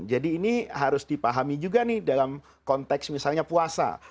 jadi ini harus dipahami juga nih dalam konteks misalnya puasa